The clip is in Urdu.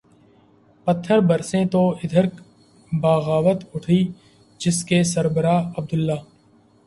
پتھر برسیں تو ادھر بغاوت اٹھی جس کے سربراہ عبداللہ